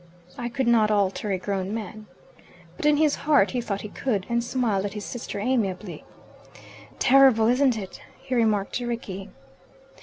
"I could not alter a grown man." But in his heart he thought he could, and smiled at his sister amiably. "Terrible, isn't it?" he remarked to Rickie.